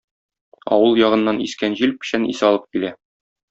Авыл ягыннан искән җил печән исе алып килә.